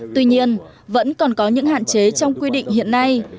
tuy nhiên vẫn còn có những hạn chế trong quy định hiện nay